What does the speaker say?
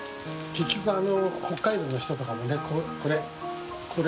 覿北海道の人とかもねこれ。